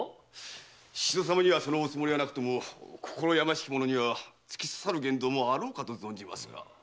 宍戸様にはそのおつもりはなくとも心疚しき者には突き刺さる言動もあろうかと存じますが。